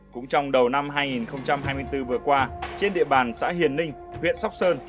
cũng trong đầu năm hai nghìn hai mươi bốn vừa qua trên địa bàn xã hiền ninh huyện sóc sơn